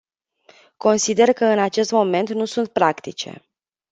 Consider că în acest moment nu sunt practice.